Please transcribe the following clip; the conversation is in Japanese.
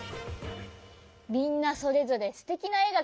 みんなそれぞれすてきなえがかけたね。